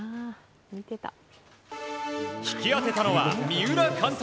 引き当てたのは、三浦監督。